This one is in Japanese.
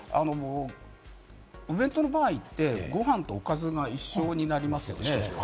お弁当の場合ってご飯とおかずが一緒になりますよね。